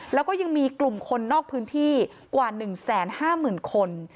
แล้วก็ยังมีกลุ่มคนนอกพื้นที่กว่าหนึ่งแสนห้าหมื่นคน